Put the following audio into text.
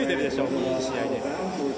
この試合で。